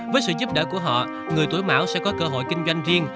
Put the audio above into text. với sự giúp đỡ của họ người tuổi mão sẽ có cơ hội kinh doanh riêng